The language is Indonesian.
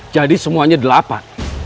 jadi semuanya delapan